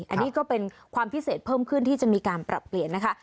อันนี้ก็เป็นความพิเศษเพิ่มขึ้นที่จะมีการปรับเปลี่ยนนะคะ